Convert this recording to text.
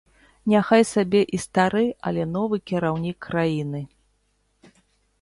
Няхай сабе і стары, але новы кіраўнік краіны.